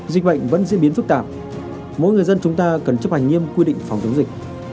dịch bệnh vẫn diễn biến phức tạp mỗi người dân chúng ta cần chấp hành nghiêm quy định phòng chống dịch